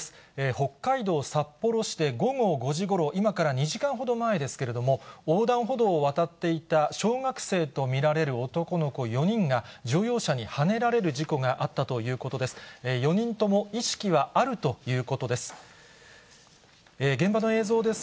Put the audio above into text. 北海道札幌市で午後５時ごろ、今から２時間ほど前ですけれども、横断歩道を渡っていた小学生と見られる男の子４人が、乗用車にはねられる事故があったということです。